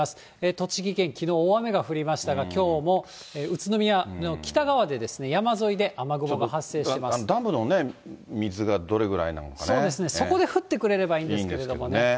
栃木県、きのう大雨が降りましたが、きょうも宇都宮の北側で、ちょっとダムのね、そうですね、そこで降ってくれればいいんですけども。